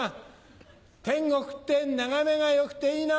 天国って眺めが良くていいな。